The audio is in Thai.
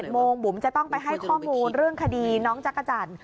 โมงบุ๋มจะต้องไปให้ข้อมูลเรื่องคดีน้องจักรจันทร์